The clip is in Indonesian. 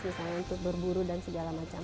misalnya untuk berburu dan segala macam